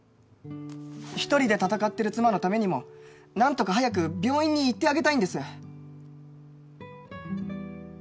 一人で闘ってる妻のためにも何とか早く病院に行ってあげたいんです。